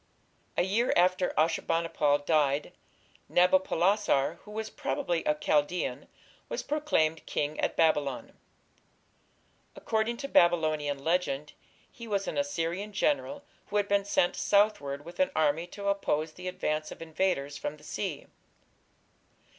A year after Ashur bani pal died, Nabopolassar, who was probably a Chaldaean, was proclaimed king at Babylon. According to Babylonian legend he was an Assyrian general who had been sent southward with an army to oppose the advance of invaders from the sea.